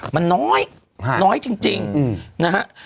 มันน้อยน้อยจริงนะฮะ